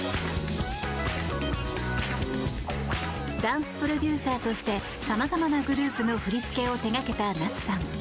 ダンスプロデューサーとして様々なグループの振り付けを手掛けた夏さん。